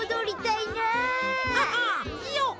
いよっ！